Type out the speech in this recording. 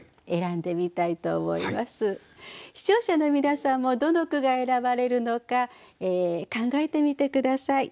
視聴者の皆さんもどの句が選ばれるのか考えてみて下さい。